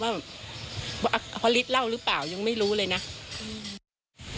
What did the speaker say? ว่าพระฤทธิ์เล่าหรือเปล่ายังไม่รู้เลยนะอืม